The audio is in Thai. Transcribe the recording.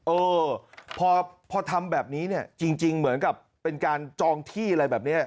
เออพอทำแบบนี้เนี่ยจริงเหมือนกับเป็นการจองที่อะไรแบบนี้